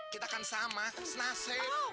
kita kan sama senase